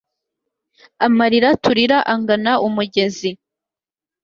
amalira tulira angana umugezi